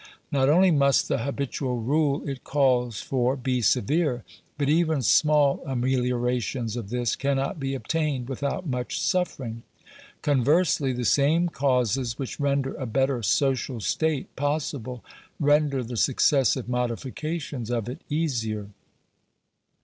Not only must the habitual rule it calls for be severe, but even small amelio rations of this cannot be obtained without much suffering. Conversely, the same causes which render a better social state possible, render the successive modifications of it easier. F F Digitized by VjOOQIC 434 GENERAL CONSIDERATIONS.